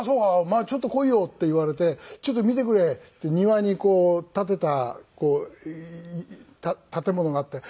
まあちょっと来いよ」って言われて「ちょっと見てくれ」って庭にこう建てた建物があって。